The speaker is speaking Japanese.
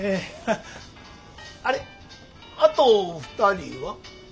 あれあと２人は？